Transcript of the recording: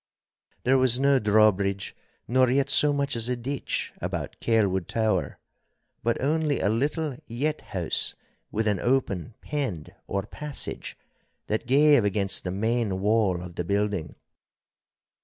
There was no drawbridge nor yet so much as a ditch about Kelwood Tower, but only a little yett house with an open pend or passage, that gave against the main wall of the building.